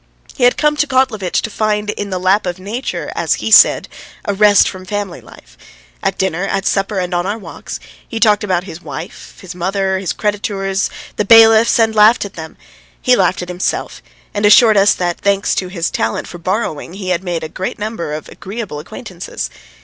He had come to Kotlovitch to find in the lap of nature, as he said, a rest from family life. At dinner, at supper, and on our walks, he talked about his wife, about his mother, about his creditors, about the bailiffs, and laughed at them; he laughed at himself and assured us that, thanks to his talent for borrowing, he had made a great number of agreeable acquaintances.